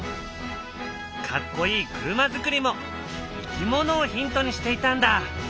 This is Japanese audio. かっこいい車づくりもいきものをヒントにしていたんだ。